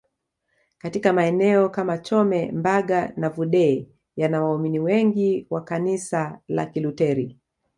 Katika maeneo kama Chome Mbaga na Vudee yana waumini wengi wa kanisala la Kiluteri